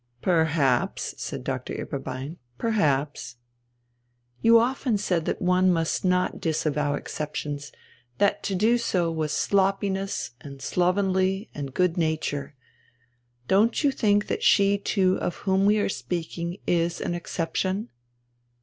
"Perhaps," said Doctor Ueberbein. "Perhaps." "You often said that one must not disavow exceptions, that to do so was sloppiness and slovenly and good nature. Don't you think that she too of whom we are speaking is an exception?"